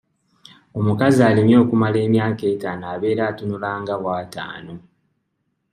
Omukazi alimye okumala emyaka etaano abeera atunulanga w'ataano.